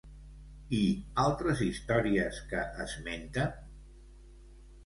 I altres històries que esmenten?